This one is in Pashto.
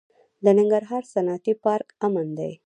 د ننګرهار صنعتي پارک امن دی؟